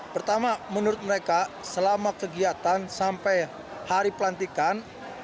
pertama menurut mereka selama kegiatan sampai hari pelantikan